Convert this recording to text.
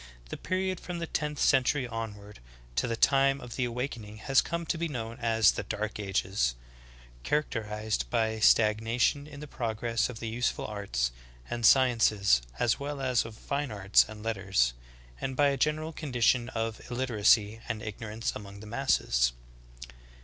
The period from the tenth century onward to the time of the awakening has come to be known as the dark ages — characterized by stag nation in the progress of the useful arts and sciences as well as of fine arts and letters, and by a general condition of illiteracy and ignorance among the masses.